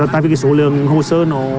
tại vì số lượng hồ sơ nó